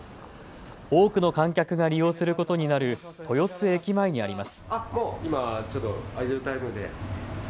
多くの観客が利用することになる豊洲駅前にあります。